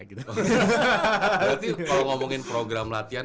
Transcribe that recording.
berarti kalau ngomongin program latihan